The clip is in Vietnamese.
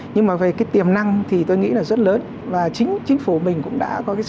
nhưng mà về cái tiềm năng thì tôi nghĩ là rất lớn và chính chính phủ mình cũng đã có cái sự chỉ đạo